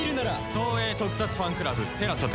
東映特撮ファンクラブＴＥＬＡＳＡで。